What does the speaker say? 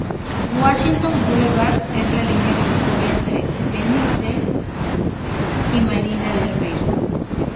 Washington Boulevard es la línea divisoria entre Venice y Marina del Rey.